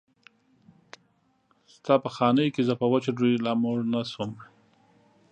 ستا په خانۍ کې زه په وچه ډوډۍ لا موړ نه شوم.